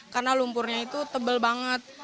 karena lumpurnya itu tebel banget